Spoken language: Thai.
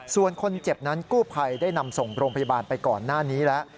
ส่วนคนเจ็บนั้นกู้ภัยได้นำส่งโรงพยาบาลไปก่อนหน้านี้แล้ว